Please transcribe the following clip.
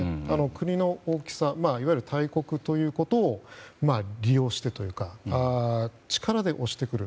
国の大きさいわゆる大国ということを利用してというか力で押してくる。